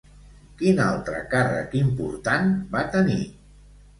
Quin altre càrrec important va tenir?